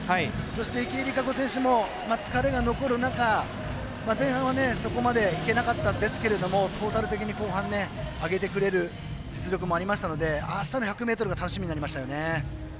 そして、池江璃花子選手も疲れが残る中、前半はそこまでいけなかったんですけどトータル的に後半、上げてくれる実力もありましたのであしたの１００ｍが楽しみになりましたよね。